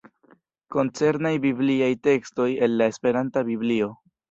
Koncernaj bibliaj tekstoj el la esperanta Biblio.